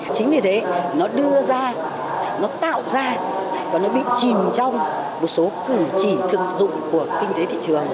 chính vì thế nó đưa ra nó tạo ra và nó bị chìm trong một số cử chỉ thực dụng của kinh tế thị trường